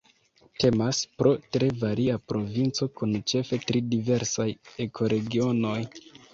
Temas pro tre varia provinco kun ĉefe tri diversaj ekoregionoj.